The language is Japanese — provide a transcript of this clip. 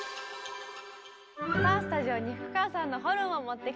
さあスタジオに福川さんのホルンを持ってきて頂きました。